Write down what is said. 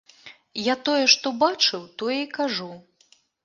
Я тое, што бачыў, тое і кажу.